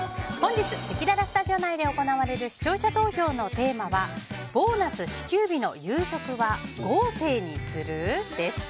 せきららスタジオ内で行われる視聴者投票のテーマはボーナス支給日の夕食は豪勢にする？です。